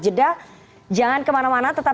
jeda jangan kemana mana tetap